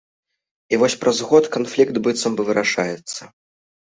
І вось праз год канфлікт быццам бы вырашаецца.